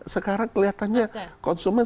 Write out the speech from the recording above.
sekarang kelihatannya konsumen